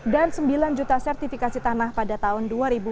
dan sembilan juta sertifikasi tanah pada tahun dua ribu sembilan belas